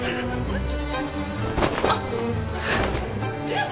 えっ！？